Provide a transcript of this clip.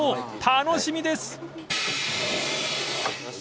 楽しみです］